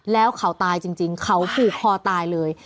แล้วเขาตายจริงเขาผูกคอตายเลย